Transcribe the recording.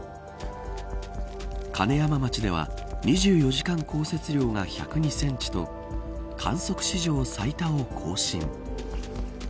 金山町では、２４時間降雪量が１０２センチと観測史上最多を更新。